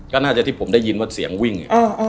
ก็น่าจะที่ผมได้ยินว่าเสียงวิ่ง